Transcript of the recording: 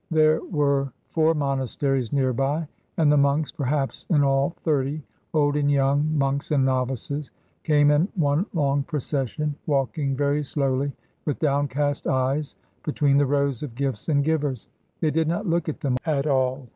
There were four monasteries near by, and the monks, perhaps in all thirty, old and young, monks and novices, came in one long procession, walking very slowly, with downcast eyes, between the rows of gifts and givers. They did not look at them at all.